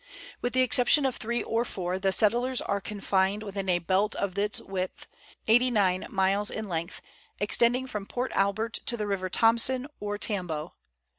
With the exception of three or four, the settlers are confined within a belt of this width, 89 miles in length, extending from Port Albert to the River Thomson or Tambo.